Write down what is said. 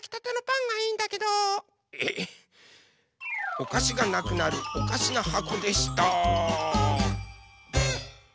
おかしがなくなるおかしなはこでした！